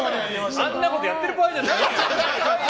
あんなことやってる場合じゃないよ。